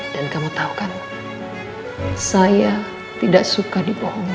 dan kamu tahu kan saya tidak suka dibohongi